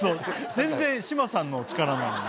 全然志麻さんの力なのに。